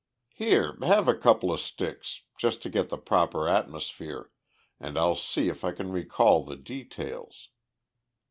"Here, have a couple of sticks just to get the proper atmosphere and I'll see if I can recall the details."